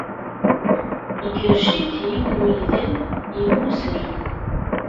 Ikerrec-it yiwen n uydi yemmuzzren.